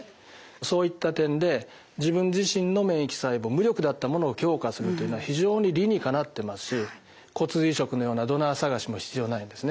そういった点で自分自身の免疫細胞無力であったものを強化するというのは非常に理にかなっていますし骨髄移植のようなドナー探しも必要ないですね。